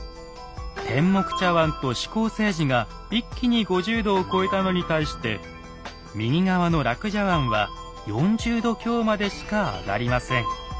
天目茶碗と珠光青磁が一気に５０度を超えたのに対して右側の樂茶碗は４０度強までしか上がりません。